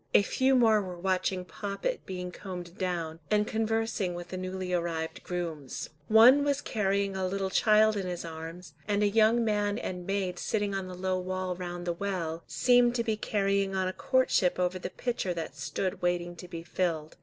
A few more were watching Poppet being combed down, and conversing with the newly arrived grooms. One was carrying a little child in his arms, and a young man and maid sitting on the low wall round the well, seemed to be carrying on a courtship over the pitcher that stood waiting to be filled.